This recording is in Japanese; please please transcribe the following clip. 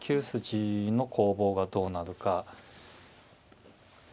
９筋の攻防がどうなるか。